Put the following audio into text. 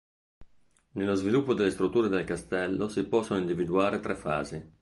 Nello sviluppo delle strutture del castello si possono individuare tre fasi.